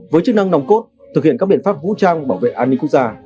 với chức năng nòng cốt thực hiện các biện pháp vũ trang bảo vệ an ninh quốc gia